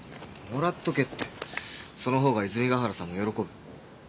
もらっとけってそのほうが泉ヶ原さんも喜ぶ。